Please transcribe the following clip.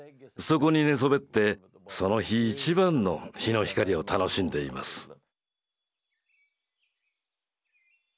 そこに寝そべってその日一番の日の光を楽しんでいます。